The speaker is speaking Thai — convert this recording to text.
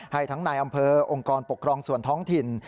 ให้ทั้งนายอำเภอองค์กรปกครองส่วนท้องถิ่น